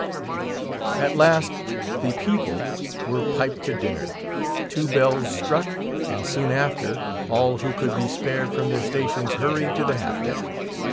At last the people were piped to dinner; two bells struck; and soon after, all who could be spared from their stations hurried to the half deck.